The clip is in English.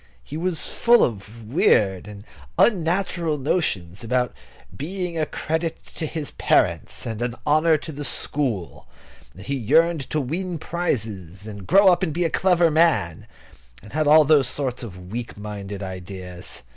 He was full of weird and unnatural notions about being a credit to his parents and an honour to the school; and he yearned to win prizes, and grow up and be a clever man, and had all those sorts of weak minded ideas.